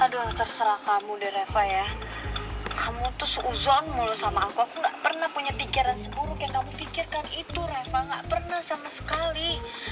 aduh terserah kamu deh reva ya kamu terus uzon mulu sama aku aku gak pernah punya pikiran seburuk yang kamu pikirkan itu reva gak pernah sama sekali